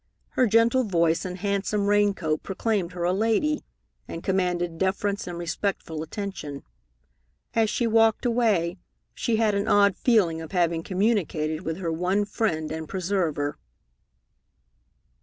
Her gentle voice and handsome rain coat proclaimed her a lady and commanded deference and respectful attention. As she walked away, she had an odd feeling of having communicated with her one friend and preserver.